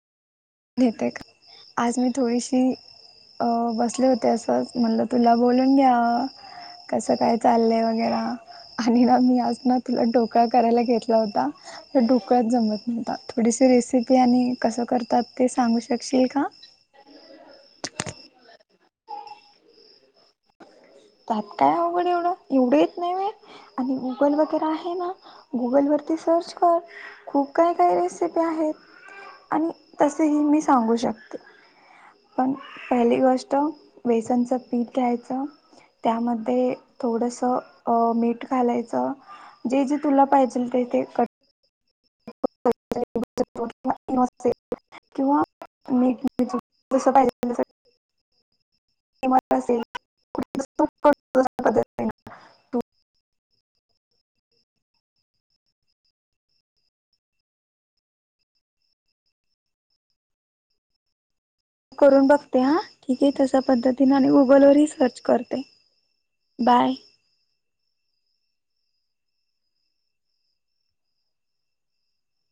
नेताय का? आज मी थोडीशी अ बसले होते असंच म्हणलं तुला बोलून मी आ कसं काय चाललंय वगैरा आणि ना मी आज ना तुला ढोकळा करायला घेतला होता, पण ढोकळ्याच जमत नव्हता. थोडीशी रेसिपी आणि कस करतात ते सांगू शकशील का? त्यात काय अवघड हाय एवढं. एवढं येत नाही होय? आणि गुगल वगैरे आहे ना, गुगल वर सर्च कर. खूप काय काय रेसिपी आहेत. आणि तसेही मी सांगू शकते. पण पहिली गोष्ट बेसनचं पीठ घ्यायचं. त्यामध्ये थोडंसं अं मीठ घालायचं, जे जे तुला पाहिजेल ते ते [inaudible] [unintelligible] किंवा मी जस पाहिजे तस ते मात्र असेल [unintelligible] करून बघते, हा ठीक आहे तशा पद्धतीने आणि गुगलवरही सर्च करते. बाय. [inaudible]